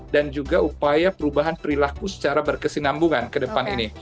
dan juga upaya perubahan perilaku secara berkesinambungan ke depan ini